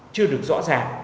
chưa được rõ ràng